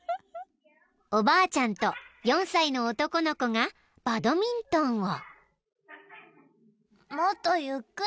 ［おばあちゃんと４歳の男の子がバドミントンを］